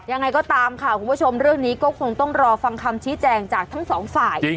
ยังไงก็ตามค่ะคุณผู้ชมเรื่องนี้ก็คงต้องรอฟังคำชี้แจงจากทั้งสองฝ่าย